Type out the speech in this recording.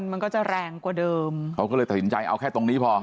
มันก็จะแรงกว่าเดิมเขาก็เลยตัดสินใจเอาแค่ตรงนี้พอ